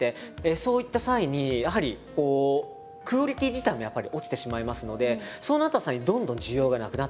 そういった際にやはりこうクオリティー自体もやっぱり落ちてしまいますのでそうなった際にどんどん需要がなくなっていってしまう。